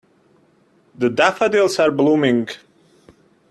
The daffodils are blooming.